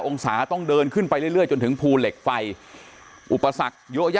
องศาต้องเดินขึ้นไปเรื่อยจนถึงภูเหล็กไฟอุปสรรคเยอะแยะ